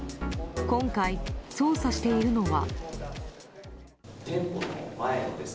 今回、捜査しているのは。